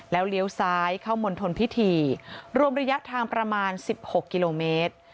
แล้วเลี้ยวซ้ายเข้ามณฑลพิธีรวมระยะทางประมาณ๑๖กิโลเมตร